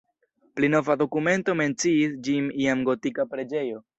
Pli nova dokumento menciis ĝin jam gotika preĝejo.